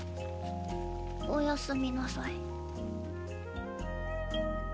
おやすみなさい。